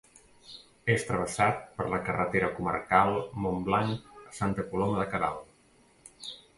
És travessat per la carretera comarcal Montblanc a Santa Coloma de Queralt.